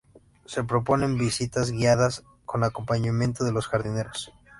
Se proponen visitas guiadas, con acompañamiento de los jardineros.